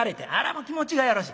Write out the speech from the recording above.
もう気持ちがよろし。